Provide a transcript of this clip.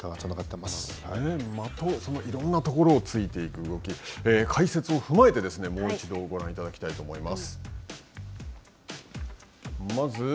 これがすごく本場所、結果につないろんなところを突いていく動き、解説を踏まえてもう一度、ご覧いただきたいと思います。